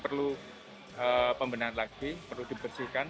perlu pembenahan lagi perlu dibersihkan